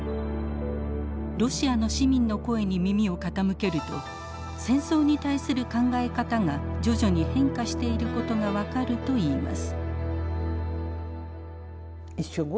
ロシアの市民の声に耳を傾けると戦争に対する考え方が徐々に変化していることが分かるといいます。